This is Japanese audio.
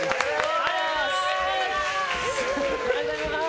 ありがとうございます！